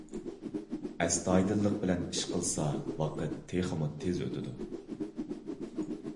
ئەستايىدىللىق بىلەن ئىش قىلسا، ۋاقىت تېخىمۇ تېز ئۆتىدۇ.